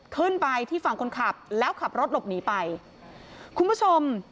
ขึ้นไปที่ฝั่งคนขับแล้วขับรถหลบหนีไปคุณผู้ชม